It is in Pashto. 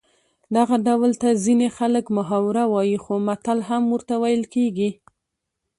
دغه ډول ته ځینې خلک محاوره وايي خو متل هم ورته ویل کېږي